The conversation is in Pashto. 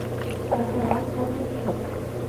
بحران ختم شو.